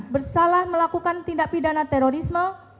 dan melakukan tindak pidana terorisme